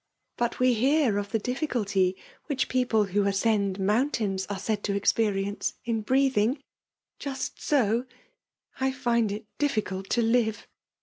^Ut ^M beat of the difficulty which people who aseend mountains are said to experience in JKeatliin^ ; inst ^o, I find it diflScnlt to live.